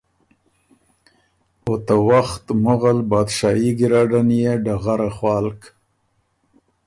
او ته وخت مغل بادشايي ګیرډن يې ډغره خوالک۔